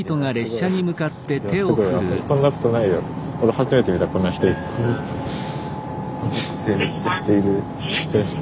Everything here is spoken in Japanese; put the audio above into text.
俺初めて見たこんな人いるの。